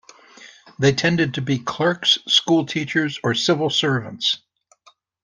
They tended to be clerks, school teachers or civil servants.